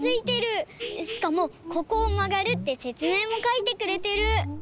しかもここをまがるってせつめいもかいてくれてる！